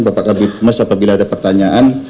bapak kabir temas apabila ada pertanyaan